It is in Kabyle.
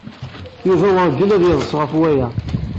Yuba werǧin ad yeḍṣ ɣef waya.